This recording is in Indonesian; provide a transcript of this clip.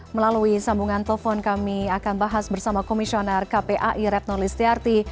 melalui sambungan telepon kami akan bahas bersama komisioner kpai retno listiarti